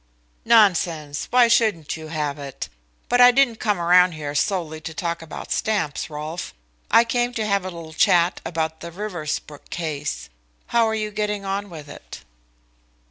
"Nonsense! Why shouldn't you have it? But I didn't come round here solely to talk about stamps, Rolfe. I came to have a little chat about the Riversbrook case. How are you getting on with it?"